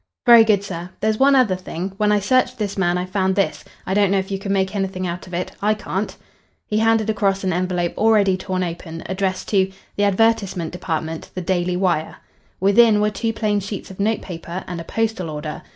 "Very good, sir. There's one other thing. When I searched this man I found this. I don't know if you can make anything out of it. I can't." He handed across an envelope already torn open, addressed to "The Advertisement Dept., The Daily Wire." Within were two plain sheets of notepaper and a postal order.